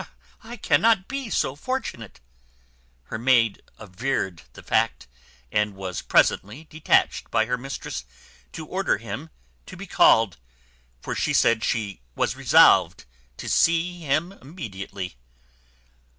I cannot be so fortunate." Her maid averred the fact, and was presently detached by her mistress to order him to be called; for she said she was resolved to see him immediately.